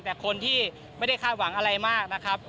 แต่คนที่ไม่ได้คาดหวังอะไรมากนะครับ